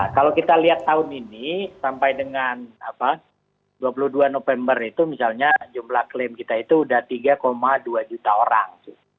kalau kita lihat tahun ini sampai dengan dua puluh dua november itu misalnya jumlah klaim kita itu sudah tiga dua juta orang